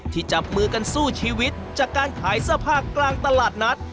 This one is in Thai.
จับมือกันสู้ชีวิตจากการขายเสื้อผ้ากลางตลาดนัด